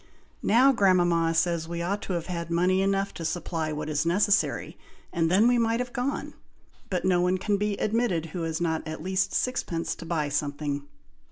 Now grandmama says we ought to have had money enough to supply what is necessary, and then we might have gone, but no one can be admitted who has not at least sixpence to buy something."